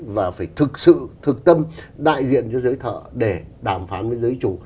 và phải thực sự thực tâm đại diện cho dưới thợ để đàm phán với dưới chủ